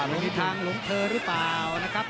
ลงทางหลวงเธอหรือเปล่านะครับ